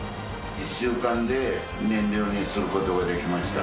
１週間で燃料にする事ができました。